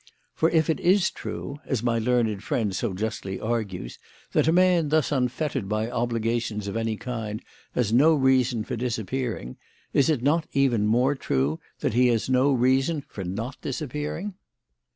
For if it is true, as my learned friend so justly argues, that a man thus unfettered by obligations of any kind has no reason for disappearing, is it not even more true that he has no reason for not disappearing?